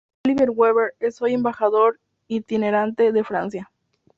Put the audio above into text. Olivier Weber es hoy embajador itinerante de Francia.